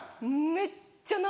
めっちゃ生！